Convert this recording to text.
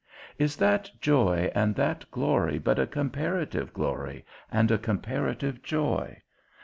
Is that joy and that glory but a comparative glory and a comparative joy?